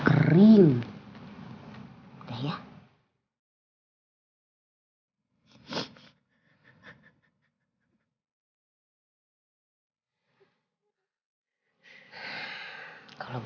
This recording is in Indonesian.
kamisnya udah dong